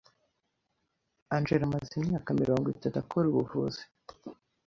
Angella amaze imyaka mirongo itatu akora ubuvuzi.